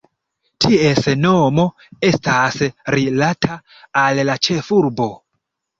Ties nomo estas rilata al la ĉefurbo.